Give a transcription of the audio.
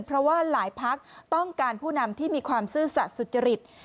เพราะว่าหลายพักต้องการผู้นำที่มีความซื่อสัตว์สุจริต